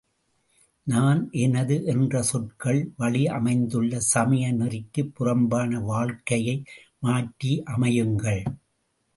நான் எனது என்ற சொற்கள் வழி அமைந்துள்ள சமய நெறிக்குப் புறம்பான வாழ்க்கையை மாற்றி அமையுங்கள்!